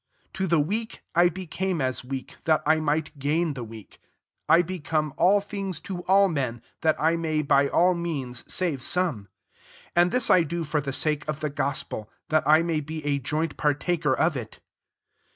%% To the weak, I became as weak, that I might gain the weak: I become all [things] to allm^, that I may by all means save some. 23 And this I do for the sake of the gospel ; that I may be a joint partaker of it.